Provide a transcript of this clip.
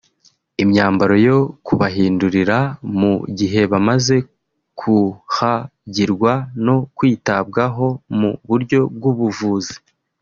imyambaro yo kubahindurira mu gihe bamaze kuhagirwa no kwitabwaho mu buryo bw’ubuvuzi